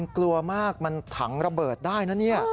กลัวมากมันถังระเบิดได้นะเนี่ย